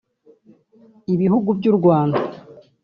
Ibihugu by’u Rwanda